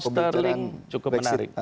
pound sterling cukup menarik